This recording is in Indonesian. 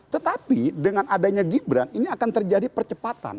tetapi dengan adanya gibran ini akan terjadi percepatan